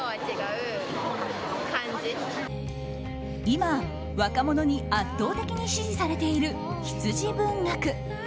今、若者に圧倒的に支持されている羊文学。